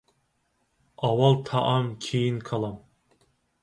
ئاۋۋال تائام، كېيىن كالام.